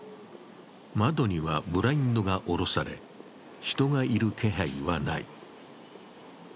窓にはブラインドが下ろされ、人がいる気配はない。